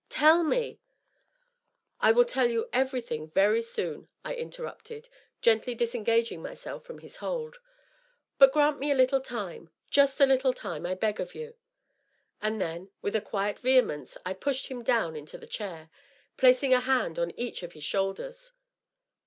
" Tell me ^^ "I will tell you everything very soon," I interrupted, gently dis engaging myself from his hold ;" but grant me a little time— just a little time, I b^ of you." And then, wifli a quiet vehemence, I pushed him down into the chair, placing a hand on eacn of his shoulders.